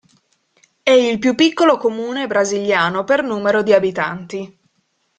È il più piccolo comune brasiliano per numero di abitanti.